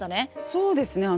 そうですね。